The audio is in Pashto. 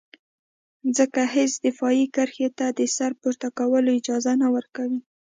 ځکه هېڅ دفاعي کرښې ته د سر پورته کولو اجازه نه ورکوي.